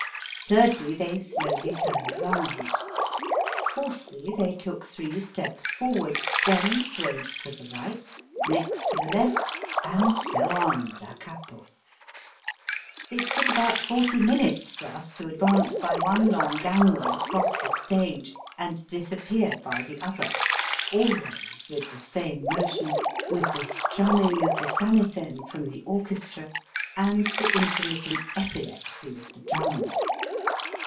Thirdly, they slowly turned round. Fourthly, Digitized by VjOOQIC 296 EAST BY WEST, they took three steps forward, then swayed to the right, next to the left, and so on da cappo. It took ahont forty minutes thus to advance hy one long gangway across the stage and disappear by the other, always with the same motion, with the strumming of the samisen from the orchestra, and the inter mittent epilepsy of the drum.